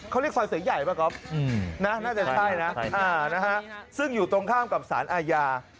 ๓๒เขาเรียกฝ่ายเสียงใหญ่ปะครับน่าจะใช่นะซึ่งอยู่ตรงข้ามกับสารอาญา